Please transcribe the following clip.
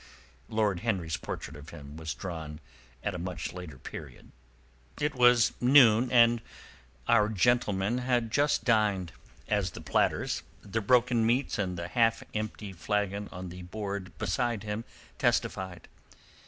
(Lord Henry's portrait of him was drawn at a much later period.) It was noon, and our gentleman had just dined, as the platters, the broken meats and the half empty flagon on the board beside him testified.